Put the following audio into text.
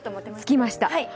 つきました。